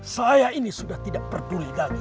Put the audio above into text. saya ini sudah tidak peduli lagi